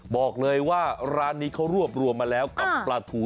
บอกเลยว่าร้านนี้เขารวบรวมมาแล้วกับปลาทู